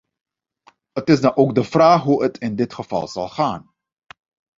Het is dan ook de vraag hoe het in dit geval zal gaan.